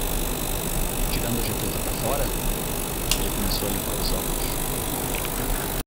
Tirando a jaqueta para fora? ele começou a limpar os óculos.